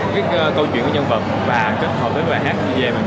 cái câu chuyện của nhân vật và kết hợp với bài hát về mình